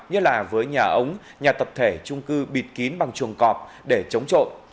như là với nhà ống nhà tập thể trung cư bịt kín bằng chuồng cọp để chống trộm